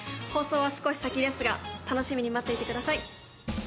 放送は少し先ですが、楽しみに待っていてください。